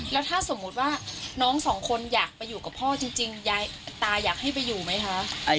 แล้วถ้าสมมุติว่าน้องสองคนอยากไปอยู่กับพ่อจริงยายตาอยากให้ไปอยู่ไหมคะ